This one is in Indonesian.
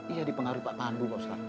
iya dipengaruhi pak pandu